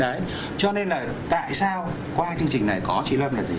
đấy cho nên là tại sao qua chương trình này có chị lâm là gì